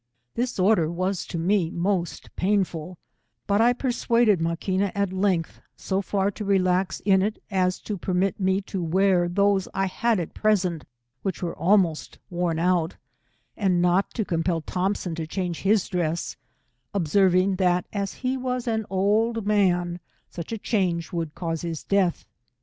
This order was to me most painful, but I persuaded Maquina, at length, so far to relax in it as to permit me to wear those I had at present, which were almost worn out, and not to compel 'Thompson to change his dress, observing, that as he was an old man, such a changs would cause his death.